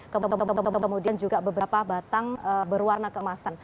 kemudian juga beberapa batang berwarna keemasan